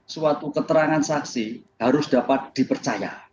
suatu keterangan saksi harus dapat dipercaya